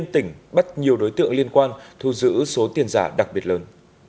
năm tỉnh bắt nhiều đối tượng liên quan thu giữ số tiền giả đặc biệt lớn